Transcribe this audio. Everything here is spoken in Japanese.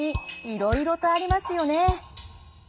いろいろとありますよね。